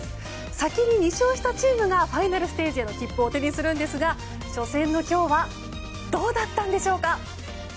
先に２勝したチームがファイナルステージへの切符を手にするんですが初戦の今日はどうだったんでしょうか。